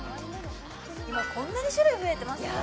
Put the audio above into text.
今こんなに種類増えてますからね